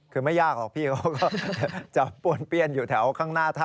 คือไม่ยากหรอกพี่เขาก็จะป้วนเปี้ยนอยู่แถวข้างหน้าถ้ำ